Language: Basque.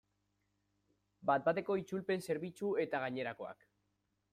Bat-bateko itzulpen zerbitzu eta gainerakoak.